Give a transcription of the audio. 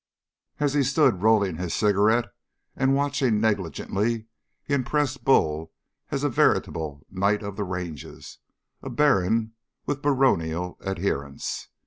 As he stood rolling his cigarette and watching negligently, he impressed Bull as a veritable knight of the ranges, a baron with baronial adherents.